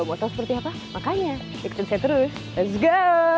mau tau seperti apa makanya ikut saya terus let's go